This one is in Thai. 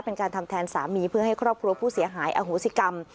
เป็นการทำแทนสามีเพื่อให้ครอบครัวผู้เสียหายอโหสิกรรม